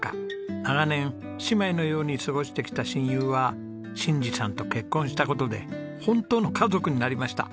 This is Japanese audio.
長年姉妹のように過ごしてきた親友は信治さんと結婚した事で本当の家族になりました。